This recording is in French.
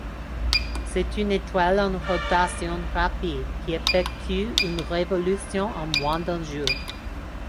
C'est une étoile en rotation rapide qui effectue une révolution en moins d'un jour.